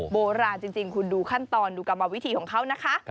โบราณจริงคุณดูขั้นตอนดูกรรมวิธีของเขานะคะ